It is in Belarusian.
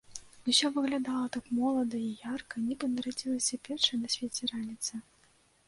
Усё выглядала так молада і ярка, нібы нарадзілася першая на свеце раніца.